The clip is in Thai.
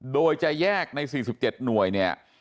โดยจะแยกใน๔๗หน่วยเนี่ย